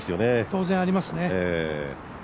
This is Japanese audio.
当然、ありますね。